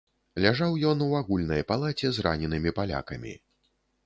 Ляжаў ён у агульнай палаце з раненымі палякамі.